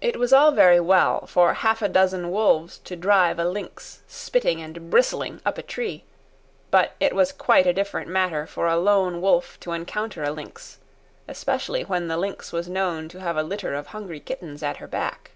It was all very well for half a dozen wolves to drive a lynx, spitting and bristling, up a tree; but it was quite a different matter for a lone wolf to encounter a lynx—especially when the lynx was known to have a litter of hungry kittens at her back.